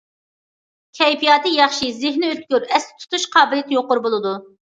كەيپىياتى ياخشى، زېھنى ئۆتكۈر، ئەستە تۇتۇش قابىلىيىتى يۇقىرى بولىدۇ.